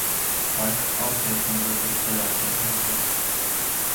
Laiks auties un doties ceļā pie Ingas!